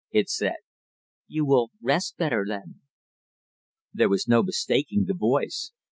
it said. "You will rest better then." There was no mistaking the voice.